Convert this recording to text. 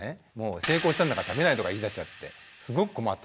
「成功したんだから食べない」とか言いだしちゃってすごく困った。